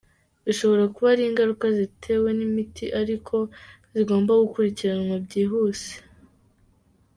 Bishobora kuba ari ingaruka zitewe n’imiti ari ko zigomba gukurikiranwa byihuse.